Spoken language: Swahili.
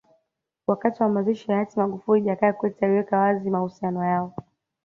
Wakati wa mazishi ya hayati Magufuli Jakaya Kikwete aliweka wazi mahusiano yao